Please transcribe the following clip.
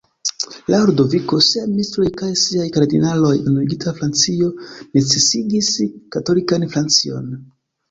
Laŭ Ludoviko, siaj ministroj kaj siaj kardinaloj, unuigita Francio necesigis katolikan Francion.